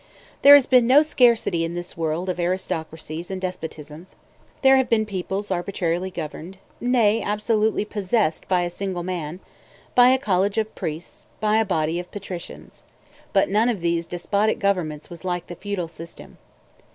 There has been no scarcity in this world of aristocracies and despotisms. There have been peoples arbitrarily governed, nay, absolutely possessed by a single man, by a college of priests, by a body of patricians. But none of these despotic governments was like the feudal system.